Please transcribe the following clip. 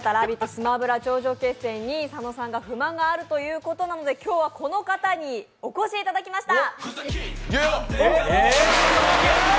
スマブラ決戦」に佐野さんが不満があるということなので今日はこの方にお越しいただきました。